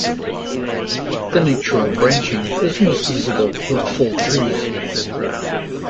The nature of branching is most visible with full trees.